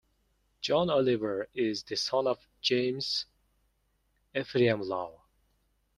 John Oliver is the son of James Ephriam Law.